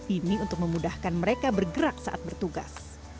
ini untuk memudahkan mereka bergerak saat bertugas